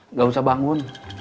nggak usah bangun